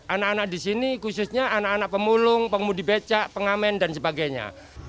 anak anak di sini khususnya anak anak pemulung pengemudi becak pengamen dan sebagainya